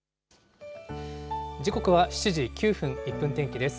時刻は７時９分、１分天気です。